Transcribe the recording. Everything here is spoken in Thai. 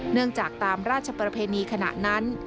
จากตามราชประเพณีขณะนั้น